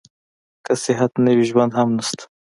که صحت نه وي ژوند هم نشته.